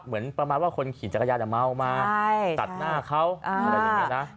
เหมือนประมาณว่าคนขี่จักรยานเมามาตัดหน้าเขาอะไรอย่างนี้นะ